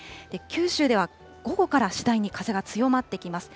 九州では午後から次第に風が強まってきます。